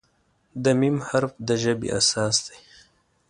د "م" حرف د ژبې اساس دی.